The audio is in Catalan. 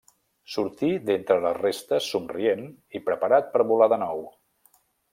Sortí d'entre les restes somrient, i preparat per volar de nou.